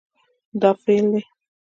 دا فعل دی